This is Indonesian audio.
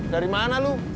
dari mana lu